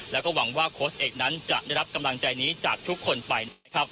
แล้วก็หวังว่าโค้ชเอกนั้นจะได้รับกำลังใจนี้จากทุกคนไปนะครับ